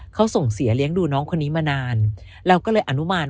เขาส่งเสียเลี้ยงดูน้องคนนี้มานานเราก็เลยอนุมาน